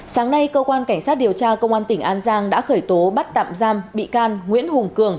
sáng nay cơ quan cảnh sát điều tra công an tỉnh an giang đã khởi tố bắt tạm giam bị can nguyễn hùng cường